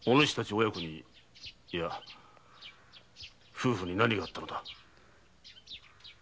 親子にいや夫婦に何があったのだ？